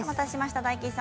大吉さん